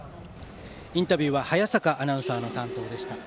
インタビューは早坂アナウンサーでした。